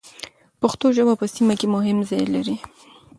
پښتو ژبه په سیمه کې مهم ځای لري.